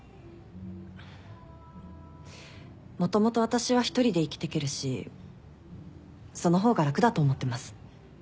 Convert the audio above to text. もともと私は１人で生きてけるしその方が楽だと思ってます。